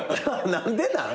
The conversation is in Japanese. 何でなん？